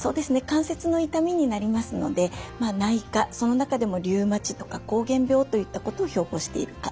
関節の痛みになりますので内科その中でもリウマチとか膠原病といったことを標ぼうしている科